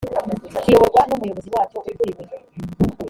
kiyoborwa n umuyobozi wacyo ukuriwe